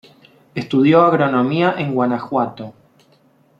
Estudió agronomía en Guanajuato.